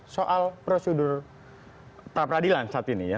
soal prosedur prapradilan saat ini ya